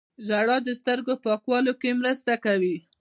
ژړا د سترګو پاکولو کې مرسته کوي